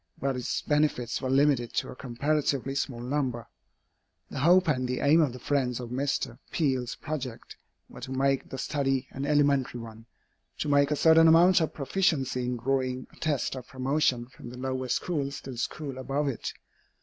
But its benefits were limited to a comparatively small number. The hope and the aim of the friends of Mr. Peale's project were to make the study an elementary one to make a certain amount of proficiency in drawing a test of promotion from the lower schools to the schools above it.